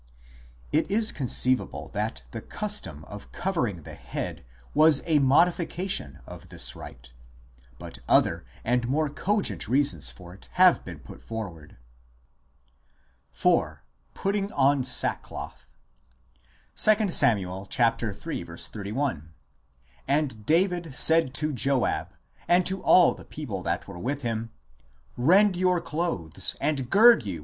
6 It is conceivable that the custom of covering the head was a modification of this rite, but other and more cogent reasons for it have been put forward, see p. 168. IV. PUTTING ON SACKCLOTH 2 Sam. iii. 31 :" And David said to Joab, and to all the people that were with him, Rend your clothes, and gird i Jeremias, op.